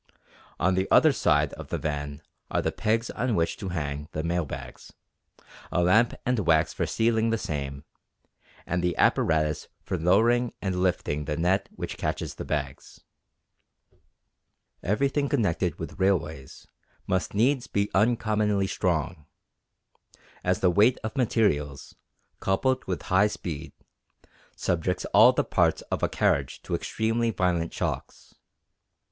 On the other side of the van are the pegs on which to hang the mail bags, a lamp and wax for sealing the same, and the apparatus for lowering and lifting the net which catches the bags. Everything connected with railways must needs be uncommonly strong, as the weight of materials, coupled with high speed, subjects all the parts of a carriage to extremely violent shocks.